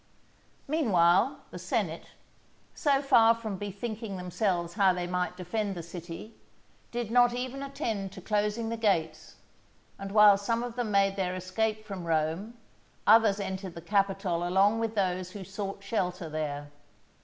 Meanwhile, the senate, so far from bethinking themselves how they might defend the city, did not even attend to closing the gates; and while some of them made their escape from Rome, others entered the Capitol along with those who sought shelter there.